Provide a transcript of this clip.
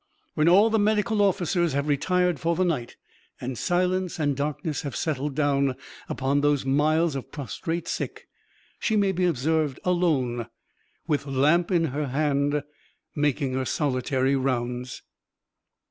When all the medical officers have retired for the night, and silence and darkness have settled down upon those miles of prostrate sick, she may be observed alone, with lamp in her hand, making her solitary rounds.